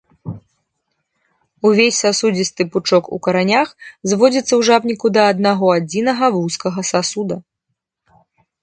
Увесь сасудзісты пучок у каранях зводзіцца ў жабніку да аднаго-адзінага вузкага сасуда.